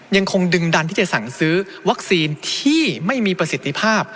ยังคงดึงดันที่จะสั่งซื้อวัคซีนที่ไม่มีประสิทธิภาพ